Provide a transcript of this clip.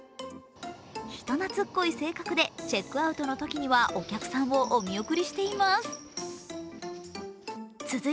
人懐っこい性格でチェックアウトのときにはお客さんをお見送りしています。